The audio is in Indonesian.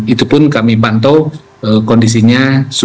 itu pun kami pantau kondisinya